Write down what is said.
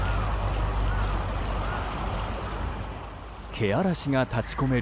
けあらしが立ち込める